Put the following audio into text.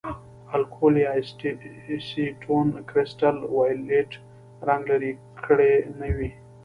الکول یا اسیټون کرسټل وایولېټ رنګ لرې کړی نه وي.